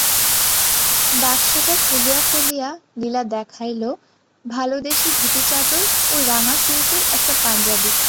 বাক্সটা খুলিয়া ফেলিয়া লীলা দেখাইল ভালো দেশী ধুতি চাদর ও রাঙা সিস্কের একটা পাঞ্জাবি।